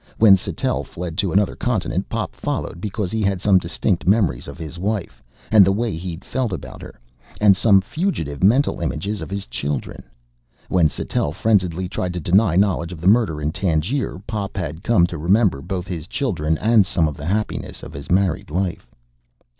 When Sattell fled to another continent, Pop followed because he had some distinct memories of his wife and the way he'd felt about her and some fugitive mental images of his children. When Sattell frenziedly tried to deny knowledge of the murder in Tangier, Pop had come to remember both his children and some of the happiness of his married life.